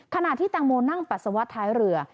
ขณะที่ตังโมนั่งปรัสวทธิ์ท้ายเรือ